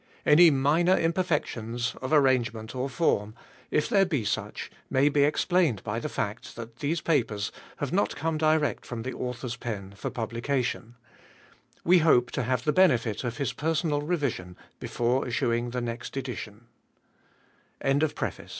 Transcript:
Any minor iniiierl'eci inns of arrange ment or fonu — if there be such — may be explained by the fact that these papers have not come direct from the author's pen for publication. We hope to have the benefit of Ins personal revision before is suing the next edition. CONTENTS i.